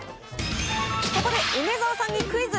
ここで梅沢さんにクイズ。